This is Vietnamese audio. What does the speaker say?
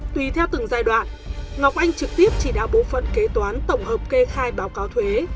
tùy theo từng giai đoạn ngọc anh trực tiếp chỉ đạo bộ phận kế toán tổng hợp kê khai báo cáo thuế